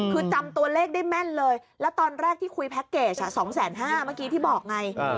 คือจำตัวเลขได้แม่นเลยแล้วตอนแรกที่คุยแพ็คเกจ๒๕๐๐บาทเมื่อกี้ที่บอกไง